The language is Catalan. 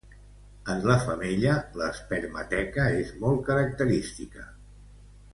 En la femella, l'espermateca és molt característica.